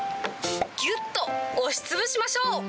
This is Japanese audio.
ぎゅっと押しつぶしましょう。